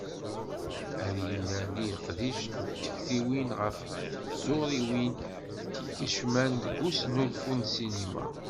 Ad yennerni leqdic d tektiwin ɣef tẓuriwin i d-ikeccmen deg usnulfu n ssinima.